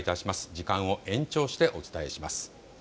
時間を延長してお伝えします。